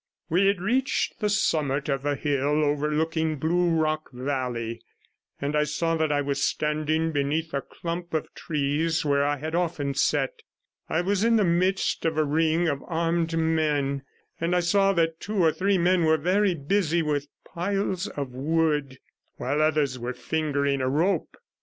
We had reached the summit of the hill overlooking Blue Rock Valley, and I saw that I was standing beneath a clump of trees where I had often sat. I was in the midst of a ring of armed men, and I saw that two or three men were very busy with piles of wood, while others were fingering a rope.